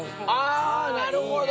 あなるほど！